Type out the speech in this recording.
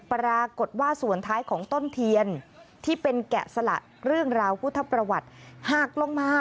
ปรากฏว่าส่วนท้ายของต้นเทียนที่เป็นแกะสละเรื่องราวพุทธประวัติหักลงมา